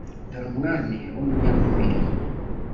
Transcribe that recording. dore umwami w’umunyamubiri.